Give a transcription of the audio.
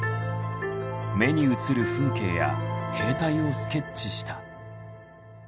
目に映る風景や兵隊をスケッチした。